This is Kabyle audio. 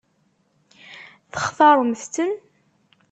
Textaṛemt-ten?